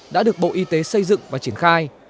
đã được bộ y tế xây dựng và triển khai